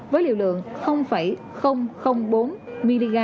với liều lượng bốn mg